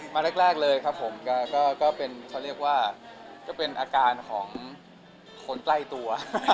มาแรกเลยครับผมก็เป็นอาการของคนใกล้ตัว